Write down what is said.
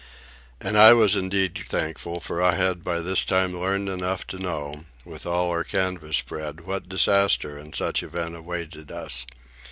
And I was indeed thankful, for I had by this time learned enough to know, with all our canvas spread, what disaster in such event awaited us.